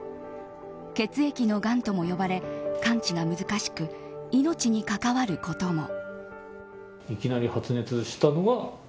血液のがんとも呼ばれ完治が難しく、命に関わることも。